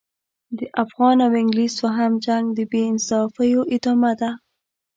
د افغان او انګلیس دوهم جنګ د بې انصافیو ادامه ده.